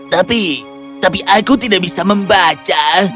tapi tapi aku tidak bisa membaca